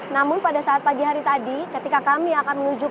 namun pada saat pagi hari tadi ketika kami akan mengunjuk